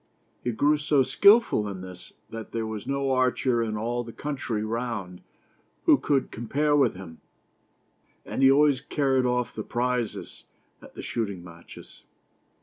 He grew so skillful in this that there was no archer in all the country round who could compare with him, and he always carried off the prizes at the shooting matches.